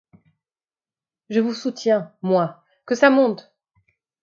Je vous soutiens, moi, que ça monte!